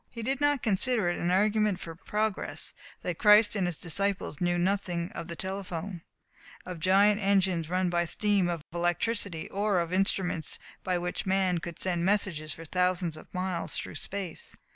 He did not consider it an argument for progress that Christ and His disciples knew nothing of the telephone, of giant engines run by steam, of electricity, or of instruments by which man could send messages for thousands of miles through space.